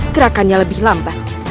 gerakannya lebih lambat